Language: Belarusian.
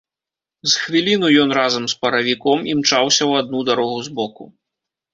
З хвіліну ён, разам з паравіком, імчаўся ў адну дарогу збоку.